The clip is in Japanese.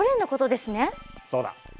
そうだ。